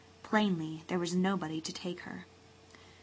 Plainly there was nobody to take her.